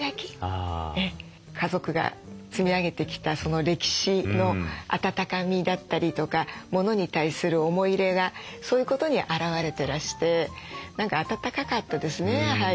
家族が積み上げてきた歴史の温かみだったりとかものに対する思い入れがそういうことに表れてらして何か温かかったですね